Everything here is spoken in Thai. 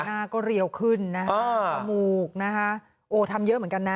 หน้าก็เรียวขึ้นนะฮะจมูกนะคะโอ้ทำเยอะเหมือนกันนะ